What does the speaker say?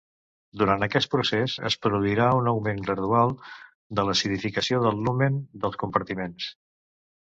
Durant aquest procés es produirà un augment gradual de l'acidificació del lumen dels compartiments.